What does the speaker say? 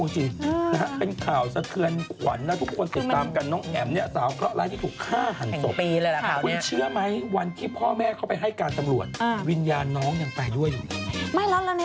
ฉันจะหวังเจอว่าเธอจะขึ้นกาเลยนี่